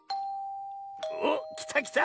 おっきたきた！